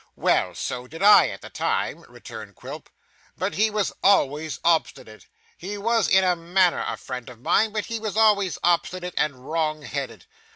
'Well, so did I at the time,' returned Quilp, 'but he was always obstinate. He was in a manner a friend of mine, but he was always obstinate and wrong headed.